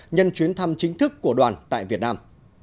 nhân chuyến thăm chính thức của đoàn tại việt nam